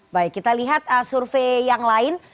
baik kita lihat survei yang lain